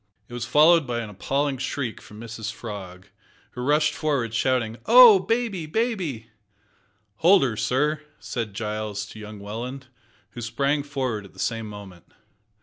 It was followed by an appalling shriek from Mrs Frog, who rushed forward shouting, "Oh! baby! baby!" "Hold her, sir," said Giles to young Welland, who sprang forward at the same moment.